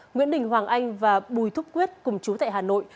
nguyễn đình hoàng anh và bùi thúc quyết cùng chú tại hà nội